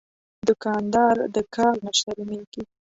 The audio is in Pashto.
دوکاندار د کار نه شرمېږي.